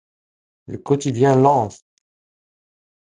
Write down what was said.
Le quotidien Lance!